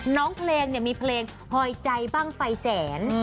น้องเพลงมีเพลงพอยใจบ้างไฟแสน